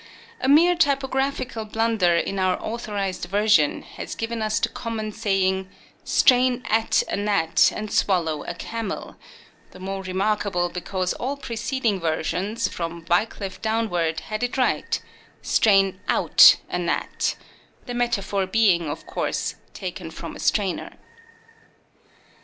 A mere typographical blunder in our Authorised Version has given us the common saying, " Strain at a gnat and swallow a camel "— ^the more remark able because all preceding versions, from Wiclif downward, had it right :" Strain out a gnat," the metaphor being, of course, taken from a strainer.